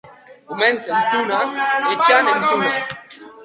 Umeen zentzuna, etxean entzuna.